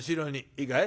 いいかい？